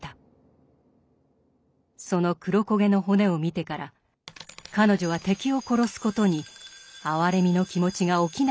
その黒焦げの骨を見てから彼女は敵を殺すことに哀れみの気持ちが起きなくなったといいます。